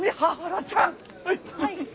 はい。